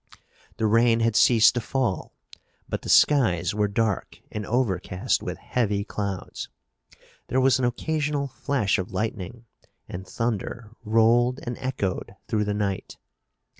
The rain had ceased to fall, but the skies were dark and overcast with heavy clouds. There was an occasional flash of lightning, and thunder rolled and echoed through the night.